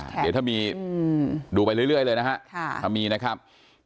เดี๋ยวถ้ามีดูไปเรื่อยเลยนะฮะถ้ามีนะครับ